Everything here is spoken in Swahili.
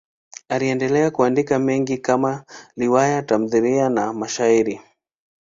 Aliendelea kuandika mengi kama riwaya, tamthiliya na mashairi.